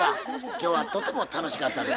今日はとても楽しかったです。